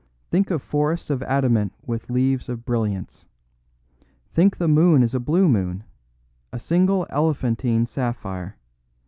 Think of forests of adamant with leaves of brilliants. Think the moon is a blue moon, a single elephantine sapphire.